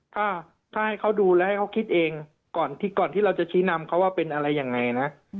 ถ้าให้เขาดูแล้วให้เขาคิดเองก่อนที่เราจะชี้นำเขาว่าเป็นอะไรยังไงนะ